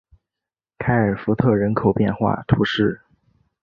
凯尔福特人口变化图示